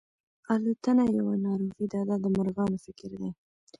الوتنه یوه ناروغي ده دا د مرغانو فکر دی.